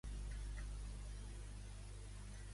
Quan va crear l'obra Schiava e regina?